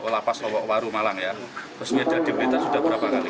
lapas lowok waru malang ya terus ini ada di blitar sudah berapa kali